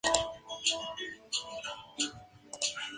Limita internamente con la Región del Este y con la Región de Skopie.